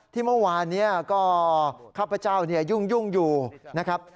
ที่เมื่อวานนี้ก็ข้าพเจ้ายุ่งอยู่นะครับ